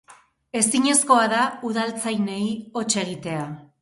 Ezinezkoa da udaltzainei hots egitea.